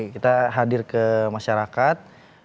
kita hadir ke masyarakat